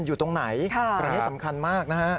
มันอยู่ตรงไหนเพราะนี้สำคัญมากนะครับ